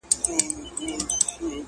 بیا د ژړو ګلو وار سو د زمان استازی راغی،